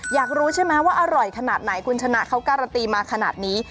อยากรู้ใช่ไหมว่าอร่อยขนาดไหนคุณชนะเขาการันตีมาขนาดนี้